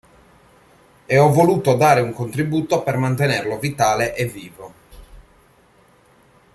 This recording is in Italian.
E ho voluto dare un contributo per mantenerlo vitale e vivo.